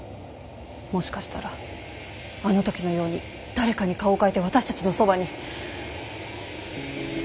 もしかしたらあの時のように誰かに顔を変えて私たちのそばに。